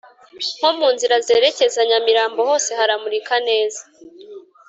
Nkomunzira zerekeza nyamirambo hose haramurika neza